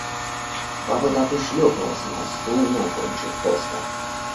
Папа так и шлепнулся на стул, не окончив тоста.